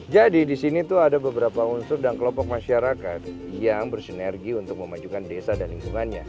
jadi di sini tuh ada beberapa unsur dan kelompok masyarakat yang bersinergi untuk memajukan desa dan lingkungannya